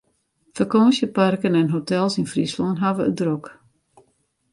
Fakânsjeparken en hotels yn Fryslân hawwe it drok.